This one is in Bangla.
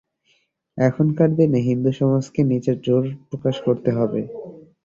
এখনকার দিনে হিন্দুসমাজকে নিজের জোর প্রকাশ করতে হবে।